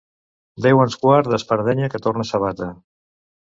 Déu ens guard d'espardenya que torna sabata.